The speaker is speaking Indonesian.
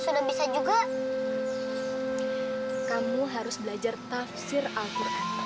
dosa deh sudah tahu kan